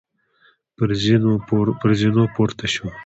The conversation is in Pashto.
پر زینو پورته شوو.